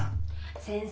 先生